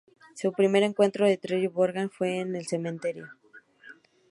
Su primer encuentro con Terry Bogard fue en el cementerio.